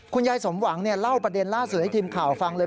คุณยายสมหวังเล่าประเด็นล่าสุดให้ทีมข่าวฟังเลย